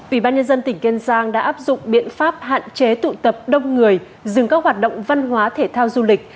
ủy ban nhân dân tỉnh kiên giang đã áp dụng biện pháp hạn chế tụ tập đông người dừng các hoạt động văn hóa thể thao du lịch